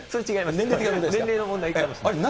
年齢の問題かもしれない。